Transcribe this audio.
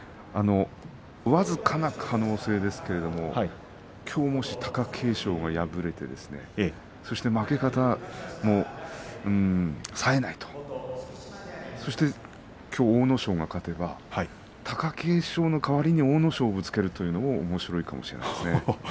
僅かな可能性ですけれどきょう、もし貴景勝が敗れてそして負け方がさえないということで阿武咲が勝てば貴景勝の代わりに阿武咲をつけるというのもおもしろいかもしれませんね。